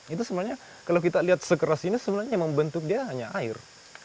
itu sebenarnya kalau kita lihat sekeras ini sebenarnya yang membentuk dia hanya air